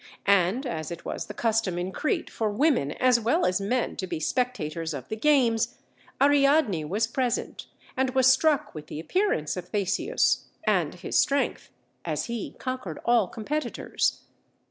And, as it was the custom in Crete for women as well as men to be spectators of the games, Ariadne was present, and was struck with the appearance of Theseus, and his strength, as he conquered all competitors.